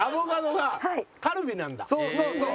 そうそうそう！